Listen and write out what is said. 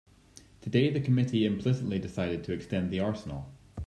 Today the committee implicitly decided to extend the arsenal.